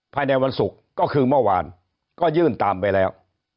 ภายในวันศุกร์ก็คือเมื่อวานก็ยื่นตามไปแล้ว